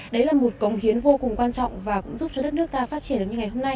đấy là một cống hiến vô cùng quan trọng và cũng giúp cho đất nước ta phát triển được như ngày hôm nay